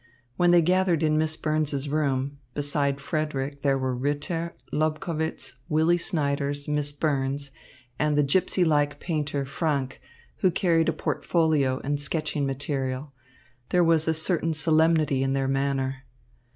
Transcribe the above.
When they gathered in Miss Burns's room beside Frederick, there were Ritter, Lobkowitz, Willy Snyders, Miss Burns, and the gypsy like painter Franck, who carried a portfolio and sketching material there was a certain solemnity in their manner.